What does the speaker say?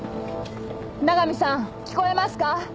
永見さん聞こえますか？